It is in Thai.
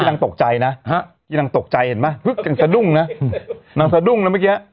โอเคแตกอย่างนังตกใจนะตกใจเห็นมั้ยอย่างสะดุ้งเนาะ